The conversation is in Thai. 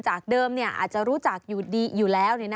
จากเดิมอาจจะรู้จักอยู่แล้ว